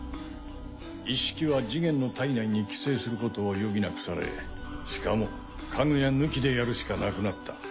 イッシキはジゲンの体内に寄生することを余儀なくされしかもカグヤ抜きでやるしかなくなった。